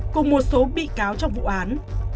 cùng một số bị cáo trong vụ án